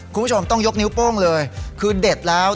คุณผู้ชมต้องยกนิ้วโป้งเลยคือเด็ดแล้ว